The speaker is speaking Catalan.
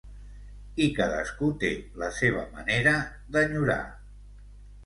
I cadascú té la seva manera d'enyorar.